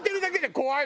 怖い？